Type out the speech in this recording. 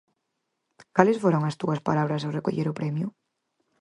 Cales foron as túas palabras ao recoller o premio?